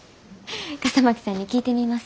笠巻さんに聞いてみます。